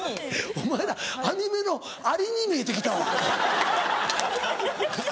お前らアニメのアリに見えて来たわ。